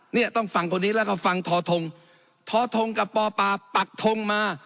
เนี่ยต้องฟังคนนี้แล้วก็ฟังทอทงทอทงกับปปักทงมา